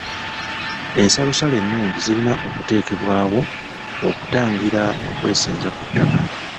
Ensalosalo ennungi zirina okuteekebwawo okutangira okwesenza ku ttaka.